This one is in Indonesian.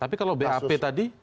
tapi kalau bap tadi